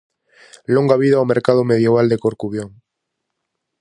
Longa vida ao Mercado Medieval de Corcubión!